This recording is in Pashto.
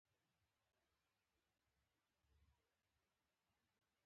غصې يې پر ستوني منګولې خښې کړې وې